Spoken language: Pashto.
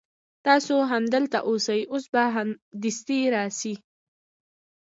تاسو هم دلته اوسئ اوس به دستي راسي.